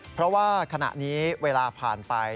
เพราะว่าขณะนี้เวลาผ่านไป